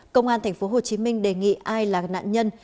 công an tp hcm đề nghị ai là nạn nhân